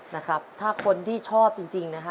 นะครับถ้าคนที่ชอบจริงนะฮะ